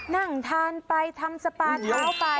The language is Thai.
นั่งทานไปทำสปาเท้าไป